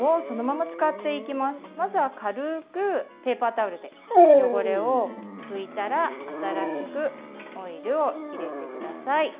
まずは軽くペーパータオルで汚れを拭いたら新しくオイルを入れてください。